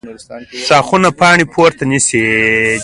ښاخونه پاڼې پورته نیسي